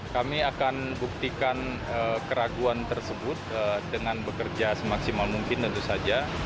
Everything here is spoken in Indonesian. kami akan buktikan keraguan tersebut dengan bekerja semaksimal mungkin tentu saja